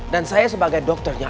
dan saya sebagai dokternya